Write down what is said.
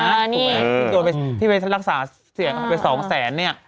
โดนไปที่ไปรักษาเสียกันไปสองแสนเนี่ย